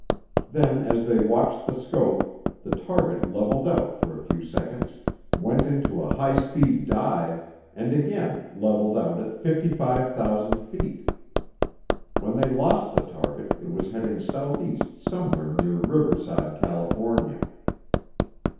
Then as they watched the scope, the target leveled out for a few seconds, went into a high speed dive, and again leveled out at 55,000 feet. When they lost the target, it was heading southeast somewhere near Riverside, California.